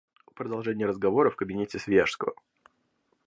Продолжение разговора в кабинете Свияжского.